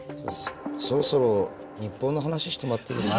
そろそろ日本の話してもらっていいですか。